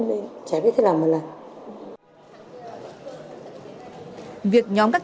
mình chả biết cái nào mà làm